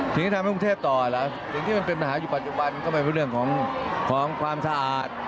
สิ่งที่ทำให้คนกรุงเทพต่อสิ่งที่เป็นปัจจุบันก็เป็นเรื่องของความสะอาด